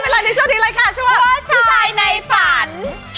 อ๋อรีบมาก